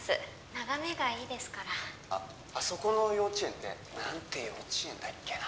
眺めがいいですからあそこの幼稚園って何て幼稚園だっけな？